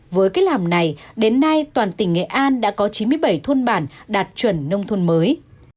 với cách làm này đến nay toàn tỉnh nghệ an đã có chín mươi bảy thôn bản đạt chuẩn nông thôn mới